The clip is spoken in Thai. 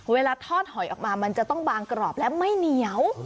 เวลาทอดหอยออกมามันจะต้องบางกรอบและไม่เหนียว